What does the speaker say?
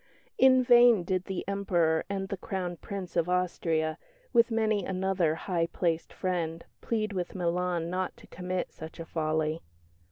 In vain did the Emperor and the Crown Prince of Austria, with many another high placed friend, plead with Milan not to commit such a folly.